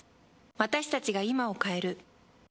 私たちが今を変える！